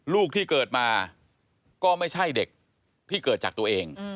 ลูกที่เกิดมาก็ไม่ใช่เด็กที่เกิดจากตัวเอง